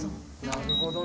なるほど。